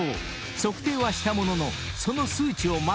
［測定はしたもののその］